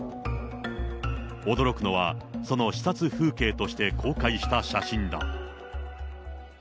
驚くのは、その視察風景として公開した写真だ。